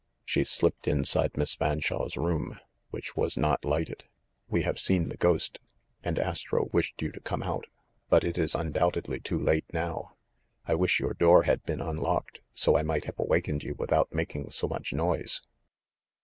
She slipped inside Miss Fanshawe's room, which was not lighted. THE FANSHAWE GHOST 77 "We have seen the ghost, and Astro wished you to come out ; but it is undoubtedly too late now. I wish your door had been unlocked, so I might have awakened you without making so much noise."